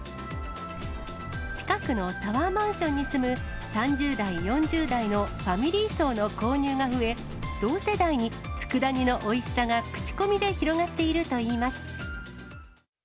近くのタワーマンションに住む３０代、４０代のファミリー層の購入が増え、同世代につくだ煮のおいしさが口コミで広がっているといいます。